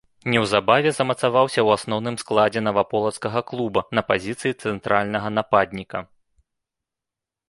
Неўзабаве замацаваўся ў асноўным складзе наваполацкага клуба на пазіцыі цэнтральнага нападніка.